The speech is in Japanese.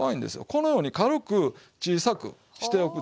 このように軽く小さくしておくでしょ。